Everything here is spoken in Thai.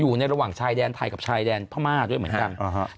อยู่ในระหว่างชายแดนไทยกับชายแดนพม่าด้วยเหมือนกัน